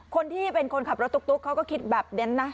คนที่เป็นคนขับรถตุ๊กเขาก็คิดแบบเน้นนะ